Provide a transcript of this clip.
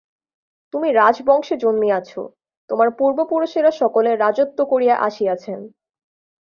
তুমি রাজবংশে জন্মিয়াছ, তোমার পূর্বপুরুষেরা সকলে রাজত্ব করিয়া আসিয়াছেন।